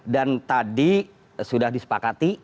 dan tadi sudah disepakati